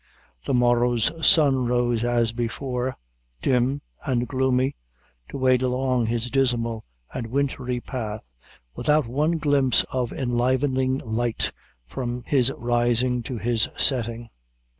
The morrow's sun rose as before, dim and gloomy, to wade along his dismal and wintry path, without one glimpse of enlivening light from his rising to his setting.